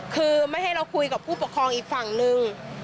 คือไม่ให้เราคุยกับผู้ปกครองอีกฝั่งนึง